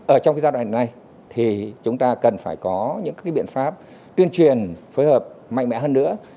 ở trong cái giai đoạn này thì chúng ta cần phải có những biện pháp tuyên truyền phối hợp mạnh mẽ hơn nữa